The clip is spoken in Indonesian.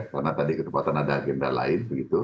karena tadi ketepatan ada agenda lain begitu